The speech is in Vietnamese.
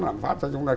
làm phát cho chúng ta